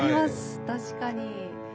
確かに。